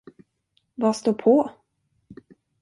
Vad står på?